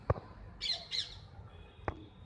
কিন্তু আমার সাথে কোন অশ্লীল কাজ সংঘটিত হয়নি।